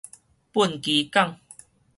畚箕港